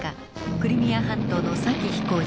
クリミア半島のサキ飛行場。